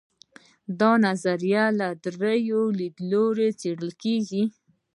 دا نظریه له درېیو لیدلورو څېړل کیږي.